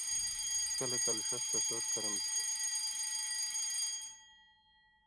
کلہۡ کلہۡ ݜَس تَصُور کَرم تُھو